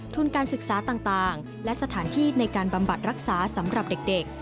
การศึกษาต่างและสถานที่ในการบำบัดรักษาสำหรับเด็ก